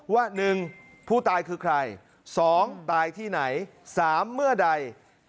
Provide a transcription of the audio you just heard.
ว่า๑ผู้ตายคือใคร๒ตายที่ไหน๓เมื่อใด